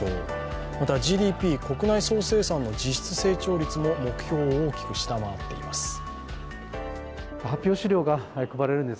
またＧＤＰ＝国内総生産の実質成長率も目標を大きく下回っています。